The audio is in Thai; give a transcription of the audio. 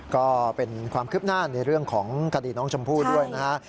ก็เป็นความคืบหน้าในเรื่องของคดีน้องชมพู่ด้วยนะฮะ